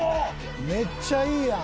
めっちゃいいやん！